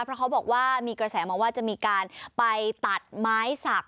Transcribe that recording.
เพราะเขาบอกว่ามีกระแสมาว่าจะมีการไปตัดไม้สัก